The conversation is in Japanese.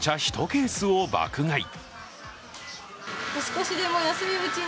１ケースを爆買い。